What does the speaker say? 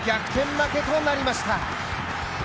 負けとなりました。